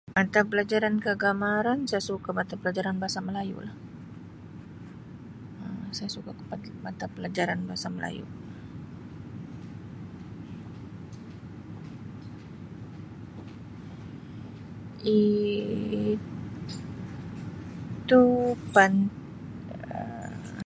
Mata pelajaran kegemaran saya suka mata pelajaran Bahasa Melayulah. Um Saya suka kepada mata pelajaran Bahasa Melayu. Um Itu tan-[Um]